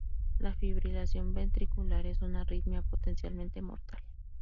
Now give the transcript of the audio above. La fibrilación ventricular es una arritmia potencialmente mortal.